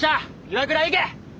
岩倉行け！